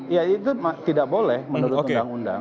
ya itu tidak boleh menurut undang undang